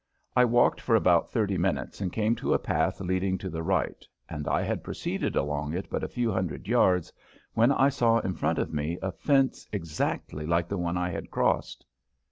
I walked for about thirty minutes and came to a path leading to the right, and I had proceeded along it but a few hundred yards when I saw in front of me a fence exactly like the one I had crossed.